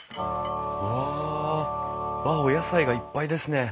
わああっお野菜がいっぱいですね。